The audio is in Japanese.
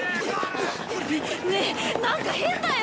ねえなんか変だよ！